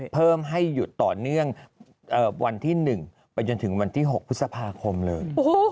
เพิ่มให้หยุดต่อเนื่องวันที่๑ไปจนถึงวันที่๖พฤษภาคมเลย